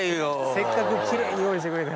せっかくキレイに用意してくれて。